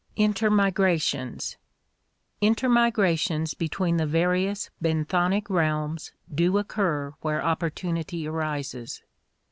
Intermigrations Intermigrations between the various benthonic realms do occur where opportunity arises.